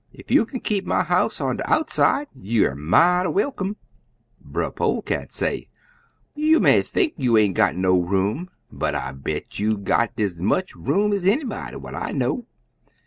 Ef you kin keep my house on de outside, you er mighty welcome.' "Brer Polecat say, 'You may think you aint got no room, but I bet you got des ez much room ez anybody what I know.